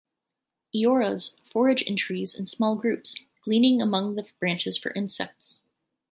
Ioras forage in trees in small groups, gleaning among the branches for insects.